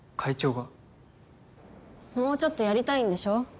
もうちょっとやりたいんでしょ？